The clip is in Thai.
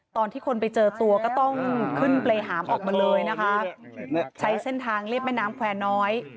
ตอนที่คนไปเจอตัวก็ต้องขึ้นเปรยหามออกมาเลยนะคะใช้เส้นทางเรียบแม่น้ำแควร์น้อย